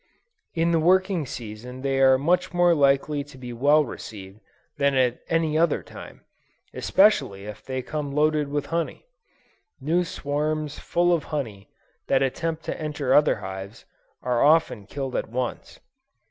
In the working season they are much more likely to be well received, than at any other time, especially if they come loaded with honey: still new swarms full of honey, that attempt to enter other hives, are often killed at once.